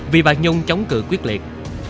vì bà nhung chống cử quyết liệt